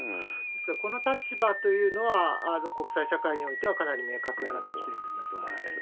ですから、この立場というのは、国際社会においてはかなり明確になってきているんだと思います。